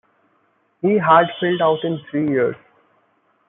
He had filled out in three years.